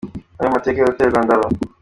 Amwe mu mateka y’urutare rwa Ndaba